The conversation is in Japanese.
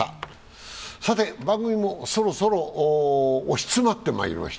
番組もそろそろ押し詰まってまいりました。